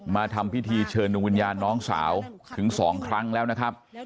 มาทำพิธีเชิญดวงวิญญาณน้องสาวถึง๒ครั้งแล้วนะครับ